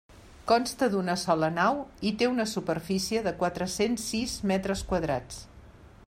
Consta d'una sola nau i té una superfície de quatre-cents sis metres quadrats.